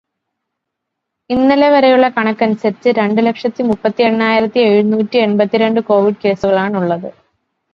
ഇന്നലെവരെയുള്ള കണക്കനുസരിച്ച് രണ്ടു ലക്ഷത്തി മുപ്പത്തി എണ്ണായിരത്തി എഴുന്നൂറ്റി എൺപത്തിരണ്ടു കോവിഡ് കേസുകളാണുള്ളത്.